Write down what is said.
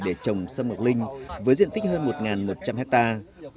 để trồng sâm ngọc linh với diện tích hơn một một trăm linh hectare